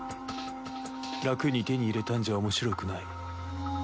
楽に手に入れたんじゃおもしろくない。